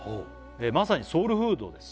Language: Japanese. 「まさにソウルフードです」